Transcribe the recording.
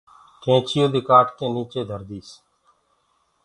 نيڪچي دي ڪآٽ ڪي نيڪچي دهردو هي۔